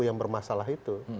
yang bermasalah itu